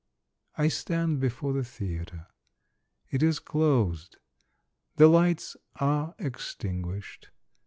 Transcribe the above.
I stand before the theatre. It is closed. The lights are extinguished.